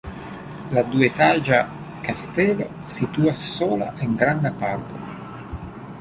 La duetaĝa kastelo situas sola en granda parko.